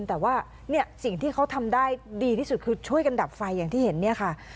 แต่ว่าเนี่ยสิ่งที่เขาทำได้ดีที่สุดคือช่วยกันดับไฟอย่างที่เห็นเนี่ยค่ะ